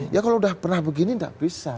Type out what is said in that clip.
ya kalau udah pernah begini tidak bisa